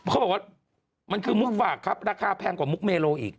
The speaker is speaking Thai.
เขาบอกว่ามันคือมุกฝากครับราคาแพงกว่ามุกเมโลอีก